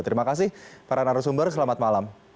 terima kasih para narasumber selamat malam